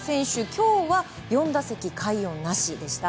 今日は４打席快音なしでした。